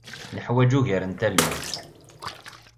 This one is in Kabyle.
Neḥwaǧ ugar n tallunt.